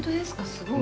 すごい。